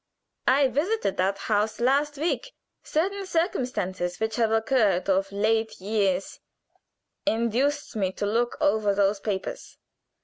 I visited that house last week. "Certain circumstances which have occurred of late years induced me to look over those papers.